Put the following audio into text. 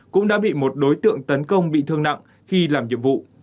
cũng đã bị một đối tượng tấn công bị thương nặng khi làm nhiệm vụ